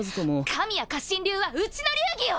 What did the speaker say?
神谷活心流はうちの流儀よ！